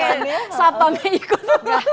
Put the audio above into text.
kenapa gak ikut